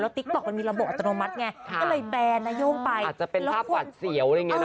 ติ๊กต๊อกมันมีระบบอัตโนมัติไงก็เลยแบนนาย่งไปอาจจะเป็นภาพหวาดเสียวอะไรอย่างเงี้เน